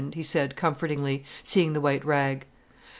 he said comfortingly, seeing the white rag.